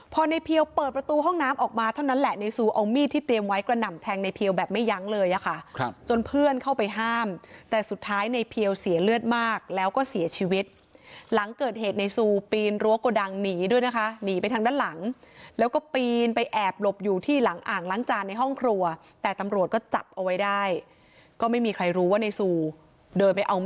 พอในเพียวเปิดประตูห้องน้ำออกมาเท่านั้นแหละในซูเอามีดที่เตรียมไว้กระหน่ำแทงในเพียวแบบไม่ยั้งเลยอะค่ะครับจนเพื่อนเข้าไปห้ามแต่สุดท้ายในเพียวเสียเลือดมากแล้วก็เสียชีวิตหลังเกิดเหตุในซูปีนรั้วโกดังหนีด้วยนะคะหนีไปทางด้านหลังแล้วก็ปีนไปแอบหลบอยู่ที่หลังอ่างล้างจานในห้องครัวแต่ตำรวจก็จับเอาไว้ได้ก็ไม่มีใครรู้ว่าในซูเดินไปเอา